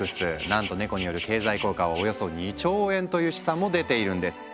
なんとネコによる経済効果はおよそ２兆円という試算も出ているんです。